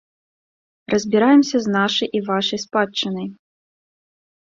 Разбіраемся з нашай і вашай спадчынай.